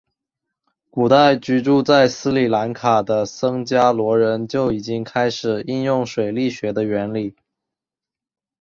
古代居住在斯里兰卡的僧伽罗人就已经开始应用水力学的原理。